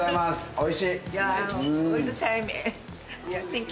おいしい。